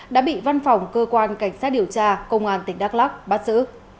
đã bị văn phòng cơ quan cảnh sát điều tra công an tỉnh đắk lắc bắt giữ